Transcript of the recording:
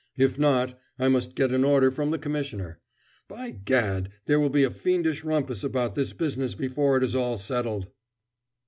If not, I must get an order from the Commissioner. By gad, there will be a fiendish rumpus about this business before it is all settled!"